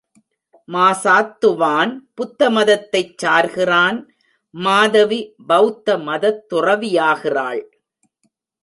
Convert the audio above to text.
மாசாத்துவான் புத்த மதத்தைச் சார்கிறான் மாதவி பெளத்த மதத் துறவியாகி றாள்.